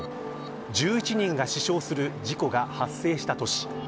１１人が死傷する事故が発生した年。